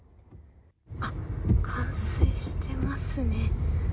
あっ、冠水してますね。